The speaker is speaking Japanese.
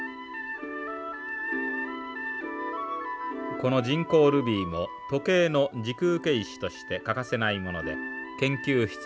この人工ルビーも時計の軸受石として欠かせないもので研究室の成果の一つです。